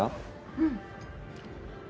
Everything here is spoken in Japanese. うん。